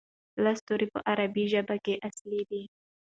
لس توري په عربي ژبه کې اصلي دي.